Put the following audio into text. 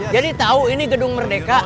jadi tahu ini gedung merdeka